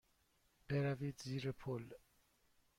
بروید زیر پل.